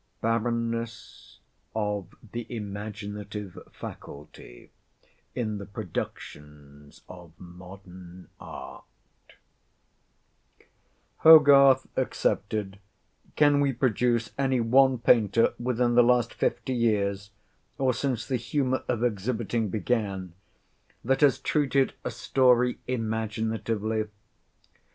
BARRENNESS OF THE IMAGINATIVE FACULTY IN THE PRODUCTIONS OF MODERN ART Hogarth excepted, can we produce any one painter within the last fifty years, or since the humour of exhibiting began, that has treated a story imaginatively?